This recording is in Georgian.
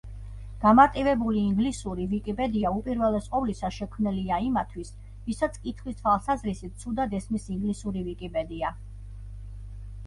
გამარტივებული ინგლისური ვიკიპედია, უპირველეს ყოვლისა, შექმნილია იმათთვის, ვისაც კითხვის თვალსაზრისით ცუდად ესმის ინგლისური ვიკიპედია.